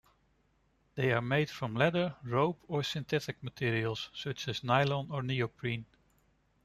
They are made from leather, rope, or synthetic materials such as nylon or Neoprene.